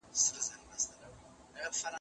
ملا په کټ کې پروت و.